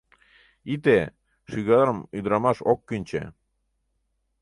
Ите, шӱгарым ӱдырамаш ок кӱнчӧ.